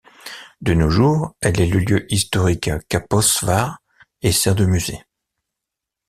De nos jours, elle est le lieu historique Kaposvar et sert de musée.